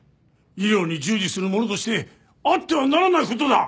医療に従事する者としてあってはならない事だ！